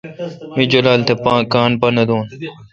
می جولال تھ کاں پا نہ دو۔